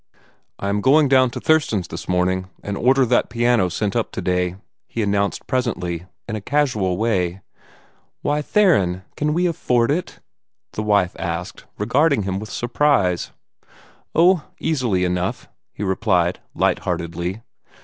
"I am going down to Thurston's this morning, and order that piano sent up today," he announced presently, in a casual way. "Why, Theron, can we afford it?" the wife asked, regarding him with surprise. "Oh, easily enough," he replied light heartedly.